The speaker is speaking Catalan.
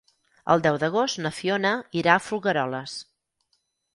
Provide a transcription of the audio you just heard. El deu d'agost na Fiona irà a Folgueroles.